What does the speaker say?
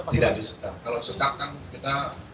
tidak di sekap kalau sekap kan kita